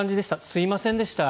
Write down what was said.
すいませんでした。